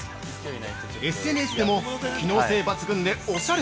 ＳＮＳでも、機能性抜群でおしゃれ！